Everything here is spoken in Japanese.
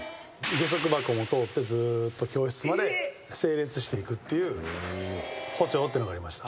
下足箱も通ってずーっと教室まで整列して行くっていう歩調ってのがありました。